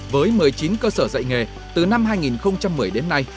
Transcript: với một mươi chín cơ sở dạy nghề từ năm hai nghìn một mươi đến nay